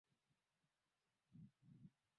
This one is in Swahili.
nimeona rais aliyeteuliwa na mimi nampogeza